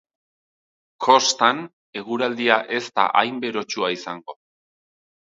Kostan, eguraldia ez da hain berotsua izango.